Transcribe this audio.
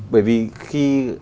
bởi vì khi